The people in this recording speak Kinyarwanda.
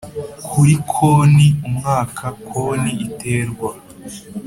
Kuri konti umwaka konti iterwa